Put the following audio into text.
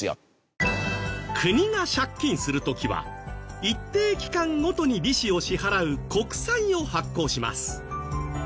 国が借金する時は一定期間ごとに利子を支払う国債を発行します。